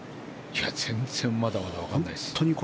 全然まだまだわからないです。